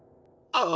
ああ。